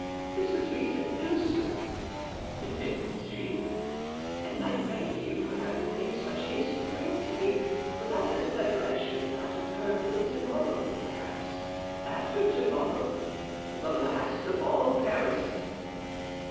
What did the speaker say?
This is recent news, sir," continued she, "and I thank you for having made such haste to bring it to me; without this letter I should not have heard till to morrow, perhaps after to morrow—the last of all Paris."